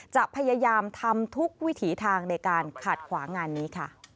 จะพยายามทำทุกวิถีทางในการขัดขวางงานนี้ค่ะ